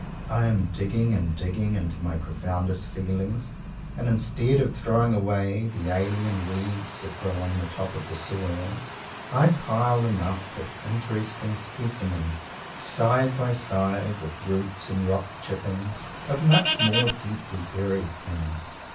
I am digging and digging into my profoundest feelings, and instead of throwing away the alien weeds that grow on the top of the soil, I pile them up as interesting specimens, side by side with roots and rock chippings of much more deeply buried things.